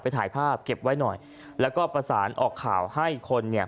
ถ่ายภาพเก็บไว้หน่อยแล้วก็ประสานออกข่าวให้คนเนี่ย